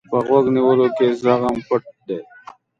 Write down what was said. په غوږ نیولو کې زغم پټ دی.